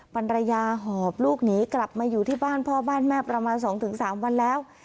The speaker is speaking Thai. ภรรยาหอบลูกหนีกลับมาอยู่ที่บ้านพ่อบ้านแม่ประมาณ๒๓วันแล้ว